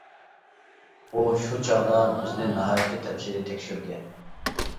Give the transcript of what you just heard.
ئۇ شۇ چاغدا بىزنى ناھايىتى تەپسىلىي تەكشۈرگەن.